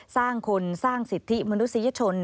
สร้างคนสร้างสิทธิมนุษยชน